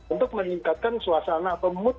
untuk meningkatkan suasana atau mood